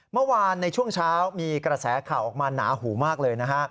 เมื่อวานในช่วงเช้ามีกระแสข่าวออกมาหนาหูมากเลยนะฮะ